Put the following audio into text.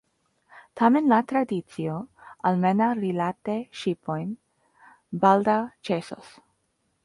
Tamen la tradicio, almenaŭ rilate ŝipojn, baldaŭ ĉesos.